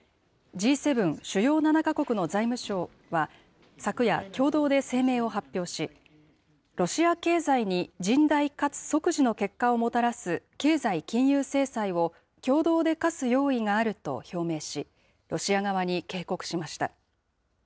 Ｇ７・主要７か国の財務相は昨夜、共同で声明を発表し、ロシア経済に甚大かつ即時の結果をもたらす経済・金融制裁を共同で科す用意があると表明し、ロシア側に警告しました。